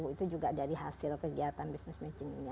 itu juga dari hasil kegiatan business matchingnya